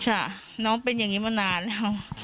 ค่ะน้องเป็นอย่างนี้มานานแล้ว